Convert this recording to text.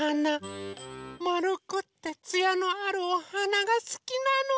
まるくってつやのあるおはながすきなの。